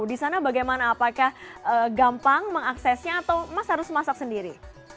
di sana bagaimana apakah gampang mengaksesnya atau mas harus masak sendiri